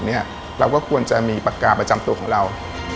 เราก็ควรจะมีปากกาประจำตัวของเรา